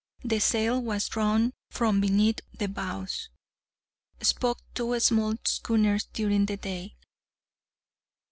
The sail was drawn from beneath the bows. Spoke two small schooners during the day.